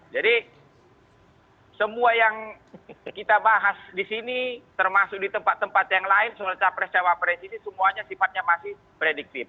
jadi semua yang kita bahas disini termasuk di tempat tempat yang lain soal capres cawapres ini semuanya sifatnya masih prediktif